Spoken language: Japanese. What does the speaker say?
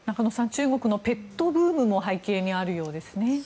中国のペットブームも背景にあるようですね。